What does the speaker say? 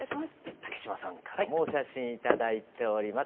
竹島さんからもお写真頂いております。